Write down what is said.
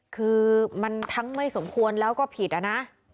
คือมันทั้งไม่สมควรแล้วก็ผิดอะนะ